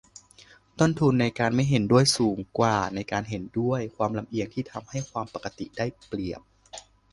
ต้นทุนในการไม่เห็นด้วยสูงกว่าในการเห็นด้วย - ความลำเอียงที่ทำให้ 'ความปกติ' ได้เปรียบ